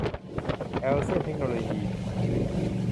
แฮลเซี่ยน เทคโนโลยี่